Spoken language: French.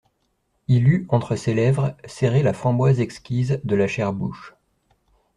Il eût, entre ses lèvres, serré la framboise exquise de la chère bouche.